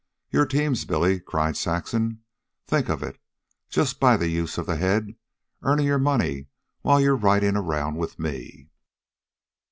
"Your teams, Billy," cried Saxon. "Think of it! Just by the use of the head, earning your money while you're riding around with me."